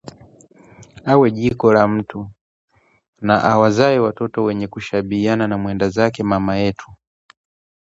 Awe jiko la mtu na awazae wana wenye kushabihiana na mwendazake mama yetu